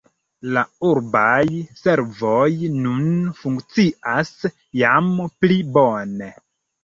La urbaj servoj nun funkcias jam pli bone.